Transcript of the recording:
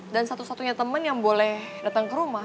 dan satu satunya temen yang boleh dateng kerumah